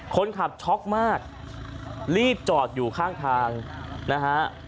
ช็อกมากรีบจอดอยู่ข้างทางนะฮะ